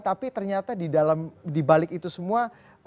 tapi ternyata di dalam di balik itu semua